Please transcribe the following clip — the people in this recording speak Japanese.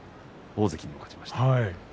大関にも勝ちました。